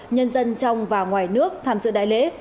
nhân dân trong và ngoài nước tham dự đại lễ